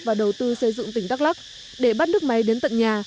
và đầu tư xây dựng tỉnh đắk lắc để bắt nước máy đến tận nhà